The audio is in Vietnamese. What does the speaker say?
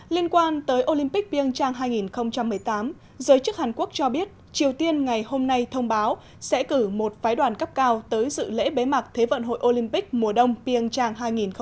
liên quan tới olympic pyeongchang hai nghìn một mươi tám giới chức hàn quốc cho biết triều tiên ngày hôm nay thông báo sẽ cử một phái đoàn cấp cao tới dự lễ bế mạc thế vận hội olympic mùa đông pyeongchang hai nghìn một mươi tám